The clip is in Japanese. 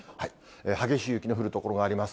激しい雪の降る所があります。